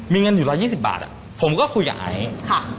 มีเงินอยู่๑๒๐บาทอ่ะผมก็คุยกับไอซ์ค่ะ